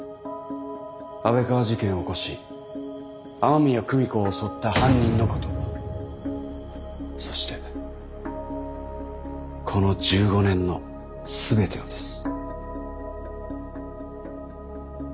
安倍川事件を起こし雨宮久美子を襲った犯人のことそしてこの１５年の全てをです。